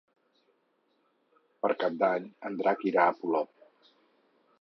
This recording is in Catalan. Per Cap d'Any en Drac irà a Polop.